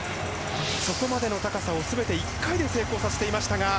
ここまでの高さを全て１回で成功させていましたが。